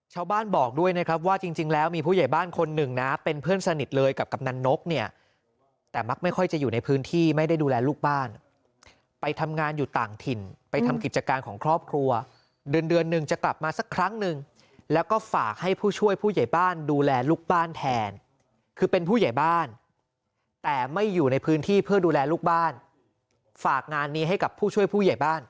ชาวบ้านบอกด้วยนะครับว่าจริงแล้วมีผู้ใหญ่บ้านคนหนึ่งนะเป็นเพื่อนสนิทเลยกับกำนันนกเนี่ยแต่มักไม่ค่อยจะอยู่ในพื้นที่ไม่ได้ดูแลลูกบ้านไปทำงานอยู่ต่างถิ่นไปทำกิจการของครอบครัวเดือนเดือนหนึ่งจะกลับมาสักครั้งหนึ่งแล้วก็ฝากให้ผู้ช่วยผู้ใหญ่บ้านดูแลลูกบ้านแทนคือเป็นผู้ใหญ่บ้านแต่ไม่อยู่ในพื้นที่เพื่อดูแลลูกบ้านฝากงานนี้ให้กับผู้ช่วยผู้ใหญ่บ้าน